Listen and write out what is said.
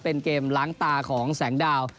เป็นเกมล้างตาของแสงดาว